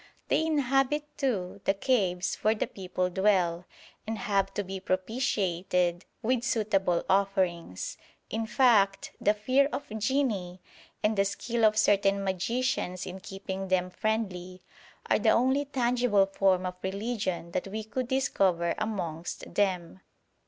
They inhabit, too, the caves where the people dwell, and have to be propitiated with suitable offerings. In fact, the fear of jinni, and the skill of certain magicians in keeping them friendly, are the only tangible form of religion that we could discover amongst them.